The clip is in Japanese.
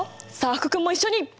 福君も一緒に！